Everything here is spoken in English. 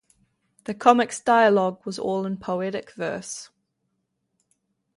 The comic's dialogue was all in poetic verse.